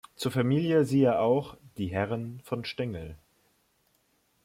Zur Familie siehe auch: Die Herren von Stengel